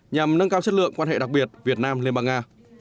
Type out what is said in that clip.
nhằm nâng cao chất lượng quan hệ đặc biệt việt nam liên bang nga